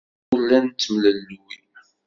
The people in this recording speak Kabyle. Ur la nettemlelluy.